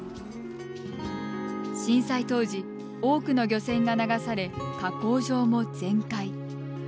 震災当時、多くの漁船が流され加工場も全壊。